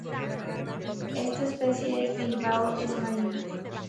Esta especie de bivalvo es marina.